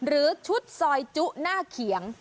หรือชุดซอยจุหน้าเขียง